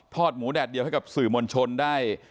หมูแดดเดียวให้กับสื่อมวลชนได้